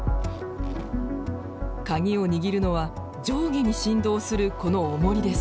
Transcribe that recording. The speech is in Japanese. カギを握るのは上下に振動するこのおもりです。